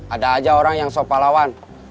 ada aja orang yang sok pahlawan